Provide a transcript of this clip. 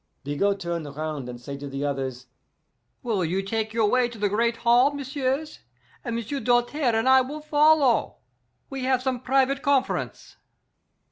Bigot turn round and say to the others, 'Will you take your way to the great hall, messieurs, and M'sieu' Doltaire and I will follow. We have some private conf'rence.